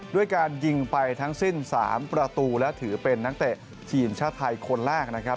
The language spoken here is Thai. ด้วยการยิงไปทั้งสิ้น๓ประตูและถือเป็นนักเตะทีมชาติไทยคนแรกนะครับ